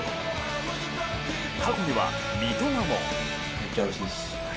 過去には、三笘も。